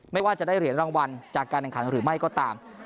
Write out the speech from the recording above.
ไม่ว่าจะได้เหรียญรางวัลจากการแข่งขันหรือไม่ก็ตาม